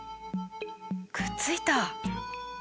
くっついた！